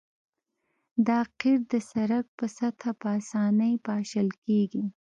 دا قیر د سرک په سطحه په اسانۍ پاشل کیږي